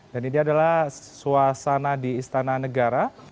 dan ini adalah suasana di istana negara